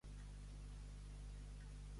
Recitar la bonaventura.